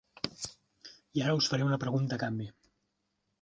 I ara us faré una pregunta a canvi.